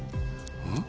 うん？